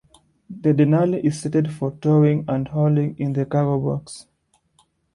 The Denali is rated for towing and hauling in the cargo box.